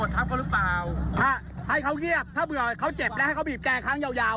ถ้าเบื่อเค้าเจ็บแล้วให้เค้บีบแกได้ครั้งยาว